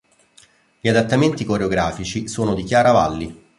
Gli adattamenti coreografici sono di Chiara Valli.